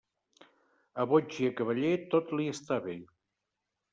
A boig i a cavaller, tot li està bé.